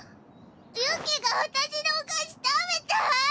ユキが私のお菓子食べた！